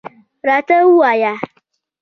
راته ووایه.